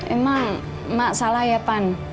emang emak salah ya pan